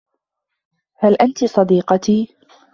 هل أنتِ صديقتي ؟